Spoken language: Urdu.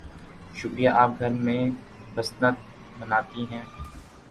شکریہ. آپ گھر میں بسنت مناتی ہیں؟